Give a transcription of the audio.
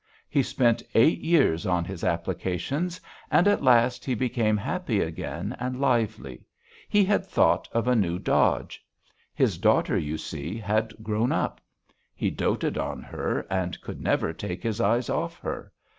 He spent eight years on his applications, and at last he became happy again and lively: he had thought of a new dodge. His daughter, you see, had grown up. He doted on her and could never take his eyes off her.